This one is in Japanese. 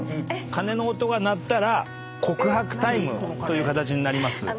鐘の音が鳴ったら告白タイムという形になります。